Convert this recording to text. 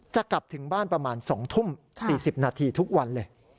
จะกลับถึงบ้านประมาณ๒ทุ่ม๔๐นาทีทุกวันเลย